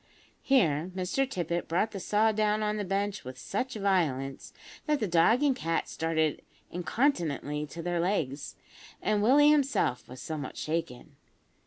Here Mr Tippet brought the saw down on the bench with such violence, that the dog and cat started incontinently to their legs, and Willie himself was somewhat shaken.